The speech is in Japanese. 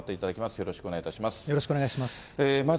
よろしくお願いします。